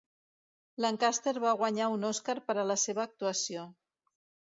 Lancaster va guanyar un Oscar per a la seva actuació.